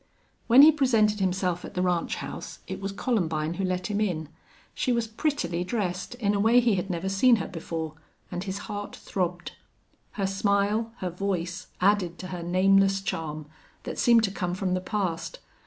When he presented himself at the ranch house it was Columbine who let him in. She was prettily dressed, in a way he had never seen her before, and his heart throbbed. Her smile, her voice added to her nameless charm, that seemed to come from the past.